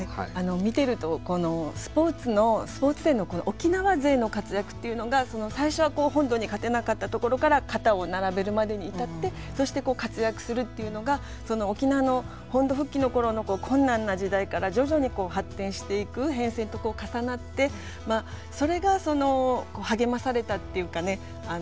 見てるとスポーツのスポーツ勢の沖縄勢の活躍っていうのが最初は本土に勝てなかったところから肩を並べるまでに至ってそしてこう活躍するっていうのが沖縄の本土復帰の頃の困難な時代から徐々に発展していく変遷と重なってそれが励まされたっていうかね。